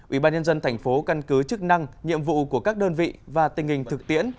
ủy ban nhân dân thành phố căn cứ chức năng nhiệm vụ của các đơn vị và tình hình thực tiễn